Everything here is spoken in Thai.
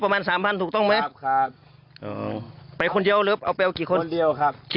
ผมเอามาแค่นี้พี่